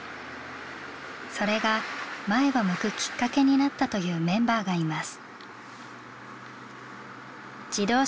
それが前を向くきっかけになったというメンバーがいます。